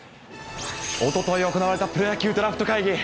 おととい行われたプロ野球ドラフト会議。